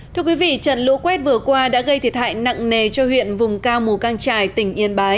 trận lũ quét vừa qua đã gây thiệt hại nặng nề cho huyện vùng cao mù căng trài tỉnh yên bái